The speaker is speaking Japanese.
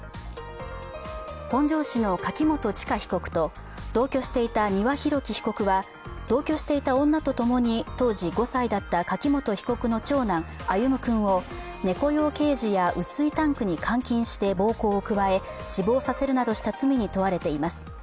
本庄市の柿本知香被告と同居していた丹羽洋樹被告は、同居していた女とともに当時５歳だった柿本被告の長男、歩夢君を猫用ケージや雨水タンクに監禁して暴行を加え死亡させるなどした罪に問われています。